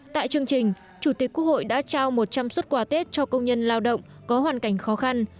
tại chương trình chủ tịch quốc hội đã trao một trăm linh xuất quà tết cho công nhân lao động có hoàn cảnh khó khăn